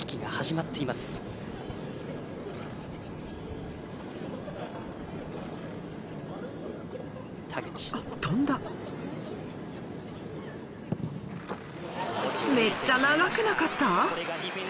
めっちゃ長くなかった？